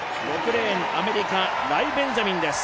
６レーン、アメリカ、ライ・ベンジャミンです。